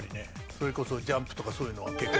それこそ『ジャンプ』とかそういうのは結構。